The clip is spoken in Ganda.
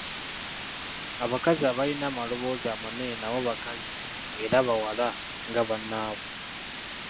Abakazi abalina amaloboozi amanene nabo bakazi era bawala nga bannaabwe.